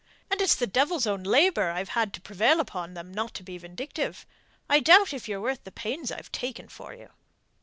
And it's the devil's own labour I've had to prevail upon them not to be vindictive. I doubt if ye're worth the pains I've taken for you."